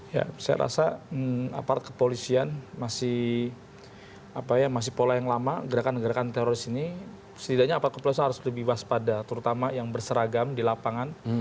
ya saya rasa aparat kepolisian masih pola yang lama gerakan gerakan teroris ini setidaknya aparat kepolisian harus lebih waspada terutama yang berseragam di lapangan